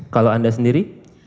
kalau anda sendiri